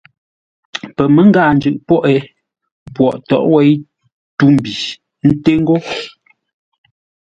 Pəmə́ngáa-njʉʼ pwóghʼ é, Pwogh tóghʼ wéi tû-mbi nté ńgó.